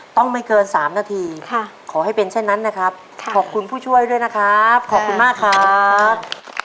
ไม่เกิน๓นาทีขอให้เป็นเช่นนั้นนะครับขอบคุณผู้ช่วยด้วยนะครับขอบคุณมากครับ